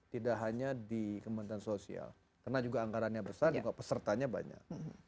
tidak hanya di kementerian sosial karena juga anggarannya besar juga pesertanya banyak